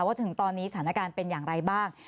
ถึงตอนนี้สถานการณ์เป็นอย่างไรบ้าง